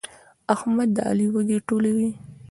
احمد د علي وږي ټولوي.